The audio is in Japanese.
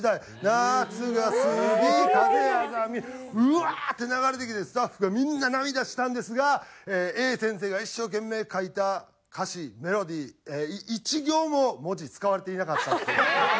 「夏が過ぎ風あざみ」うわーって流れてきてスタッフがみんな涙したんですが先生が一生懸命書いた歌詞メロディー１行も文字使われていなかったっていう。